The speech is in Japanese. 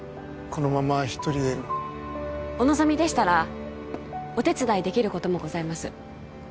このまま一人でお望みでしたらお手伝いできることもございます